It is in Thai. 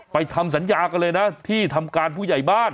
ทำสัญญากันเลยนะที่ทำการผู้ใหญ่บ้าน